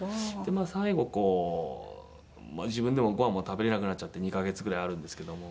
最後こう自分でもごはんも食べれなくなっちゃって２カ月ぐらいあるんですけども。